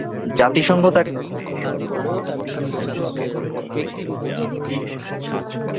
জাতিসংঘ তাকে বিংশ শতাব্দীর অন্যতম বিশিষ্ট ব্যক্তি রূপে চিহ্নিত করেছে।